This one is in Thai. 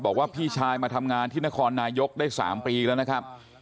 บอกว่าพี่ชายมาทำงานที่นครนายกได้๓ปีแล้วนะครับ